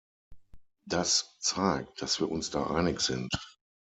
Das zeigt, dass wir uns da einig sind.